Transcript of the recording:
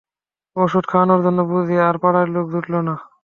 ওষুধ খাওয়াবার জন্যে বুঝি আর পাড়ায় লোক জুটল না!